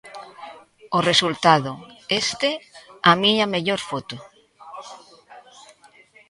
O resultado, este: a miña mellor foto.